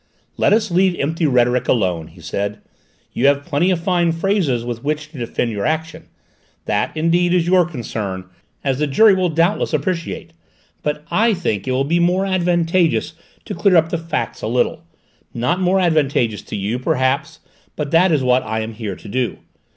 "Let us leave empty rhetoric alone," he said. "You have plenty of fine phrases with which to defend your action; that, indeed, is your concern, as the jury will doubtless appreciate; but I think it will be more advantageous to clear up the facts a little not more advantageous to you, perhaps, but that is what I am here to do.